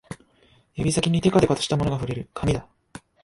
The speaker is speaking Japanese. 指先にてかてかとしたものが触れる、紙だ